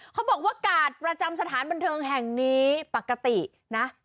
เขาบอกว่ากาดประจำสถานบันเทิงแห่งนี้ปกตินะ